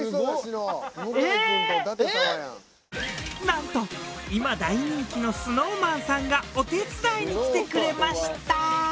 なんと今大人気のＳｎｏｗＭａｎさんがお手伝いに来てくれました。